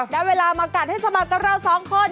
แล้วเวลามากัดให้สมัครกับเรา๒คน